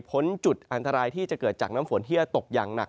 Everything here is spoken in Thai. จุดอันตรายที่จะเกิดจากน้ำฝนที่จะตกอย่างหนัก